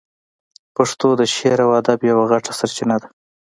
پښتو د شعر او ادب یوه غټه سرچینه ده.